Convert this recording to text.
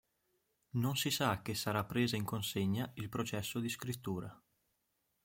Non si sa che sarà presa in consegna il processo di scrittura.